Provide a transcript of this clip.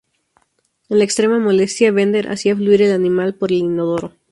En la extrema molestia, Bender hace fluir el animal por el inodoro.